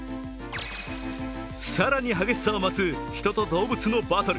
更に激しさを増す人と動物のバトル。